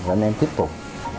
rồi anh em tiếp tục